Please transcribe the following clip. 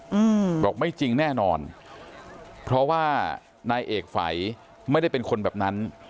อืมบอกไม่จริงแน่นอนเพราะว่านายเอกฝัยไม่ได้เป็นคนแบบนั้น